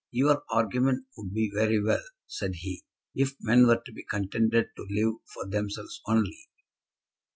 "Your argument would be very well," said he, "if men were to be contented to live for themselves only."